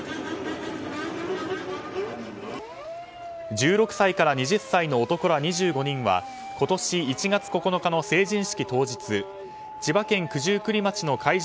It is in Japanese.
１６歳から２０歳の男ら２５人は今年１月９日の成人式当日千葉県九十九里町の会場